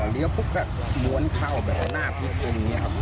ก็เลี้ยวปุ๊บก็ม้วนเข้าแบบหน้าพิกลุ่มนี้ครับ